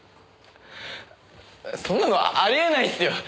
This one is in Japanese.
そんなのありえないっすよ！